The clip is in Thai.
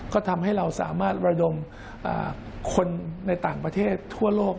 ก็ทำให้เราสามารถระดมคนในต่างประเทศทั่วโลก